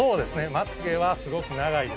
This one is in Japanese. まつげはすごく長いですね。